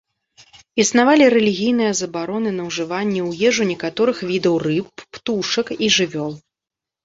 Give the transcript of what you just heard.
Існавалі рэлігійныя забароны на ўжыванне ў ежу некаторых відаў рыб, птушак і жывёл.